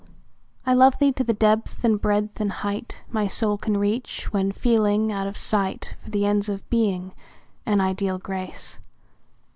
I love thee to the depth and breadth and height My soul can reach, when feeling out of sight For the ends of Being and ideal Grace.